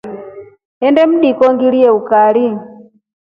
Nnde mtriko ngirie ukari.